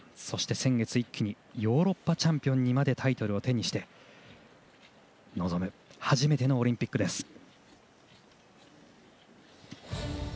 そして先月、一気にヨーロッパチャンピオンのタイトルも手にして臨む、初めてのオリンピックです。